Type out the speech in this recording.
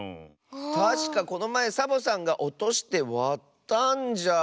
たしかこのまえサボさんがおとしてわったんじゃ。